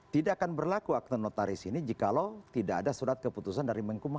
tidak akan berlaku akte notaris ini jikalau tidak ada surat keputusan dari menkumham